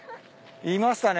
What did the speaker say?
いましたね。